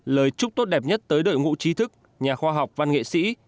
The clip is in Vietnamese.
lời chúc tốt đẹp nhất tới đội ngũ trí thức nhà khoa học văn nghệ sĩ